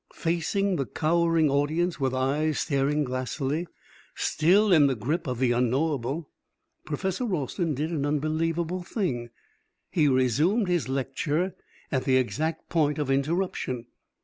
Facing the cowering audience with eyes staring glassily, still in the grip of the unknowable, Professor Ralston did an unbelievable thing. He resumed his lecture at the exact point of interruption!